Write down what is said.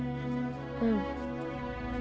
うん。